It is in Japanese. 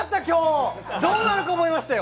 どうなるかと思いましたよ。